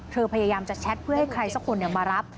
พยายามจะแชทเพื่อให้ใครสักคนมารับ